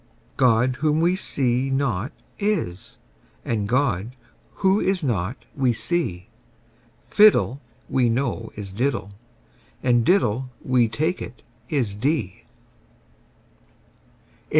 God, whom we see not, is: and God, who is not, we see: Fiddle, we know, is diddle: and diddle, we take it, is dee.